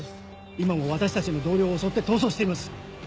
今も私たちの同僚を襲って逃走しています。